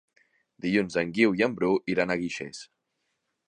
Dilluns en Guiu i en Bru iran a Guixers.